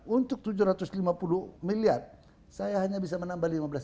untuk tujuh ratus lima puluh miliar saya hanya bisa menambah lima belas miliar